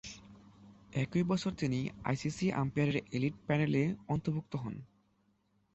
একই বছর তিনি আইসিসি আম্পায়ারের এলিট প্যানেলে অন্তর্ভুক্ত হন।